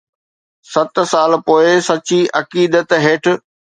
ست سال پوءِ سچي عقيدت هيٺ